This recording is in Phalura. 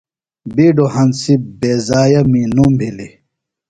بِیڈوۡ ہنسیۡ بےضائع می نُم بِھلیۡ۔